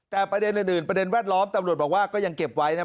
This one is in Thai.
แต่ประเด็นอื่นประเด็นแวดล้อมตำรวจบอกว่าก็ยังเก็บไว้นะ